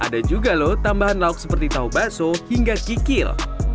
ada juga loh tambahan lauk seperti tahu bakso hingga kikil